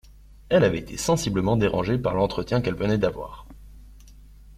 Elle avait été sensiblement dérangée par l’entretien qu’elle venait d’avoir